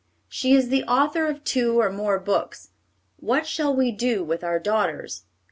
She is the author of two or more books, _What shall we do with Our Daughters?